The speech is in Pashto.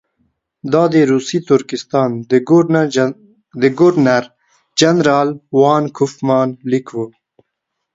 دا د روسي ترکستان د ګورنر جنرال وان کوفمان لیک وو.